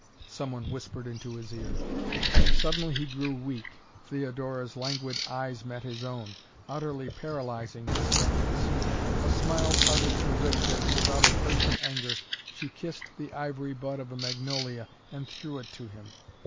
some one whispered into his ear. Suddenly he grew weak. Theodora's languid eyes met his own, utterly paralyzing his efforts. A smile parted her lips as, without a trace of anger, she kissed the ivory bud of a magnolia and threw it to him.